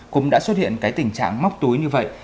cũng đã xuất hiện cái tình trạng móc túi như vậy